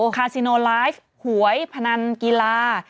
คาซิโนไลฟ์หวยพนันกีฬา